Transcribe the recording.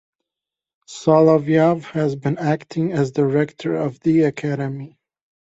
Solovyov has been acting as the rector of the Academy.